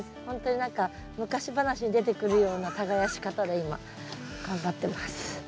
ほんとに何か昔話に出てくるような耕し方で今頑張ってます。